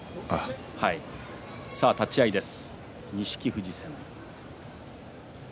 立ち合いです。